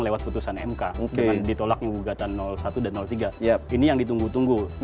lewat putusan mk dengan ditolaknya gugatan satu dan tiga ini yang ditunggu tunggu